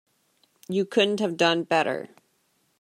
You couldn't have done better.